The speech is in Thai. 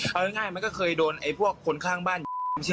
เอาง่ายมันก็เคยโดนคนข้างบ้านเนี่ย